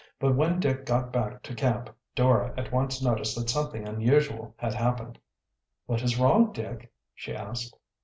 But when Dick got back to camp Dora at once noticed that something unusual had happened. "What is wrong, Dick?" she asked.